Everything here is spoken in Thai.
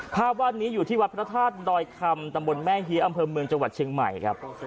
ภาพวาดนี้อยู่ที่วัดพระธาตุดอยคำตำบลแม่เฮียอำเภอเมืองจังหวัดเชียงใหม่ครับ